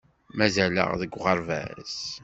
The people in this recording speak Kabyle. Mazal-aɣ deg uɣerbaz.